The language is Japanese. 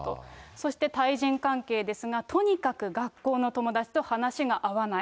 そして対人関係ですが、とにかく学校の友達と話が合わない。